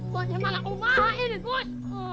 bagaimana aku main bos